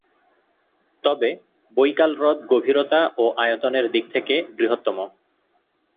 তবে, বৈকাল হ্রদ গভীরতা ও আয়তনের দিক থেকে বৃহত্তম।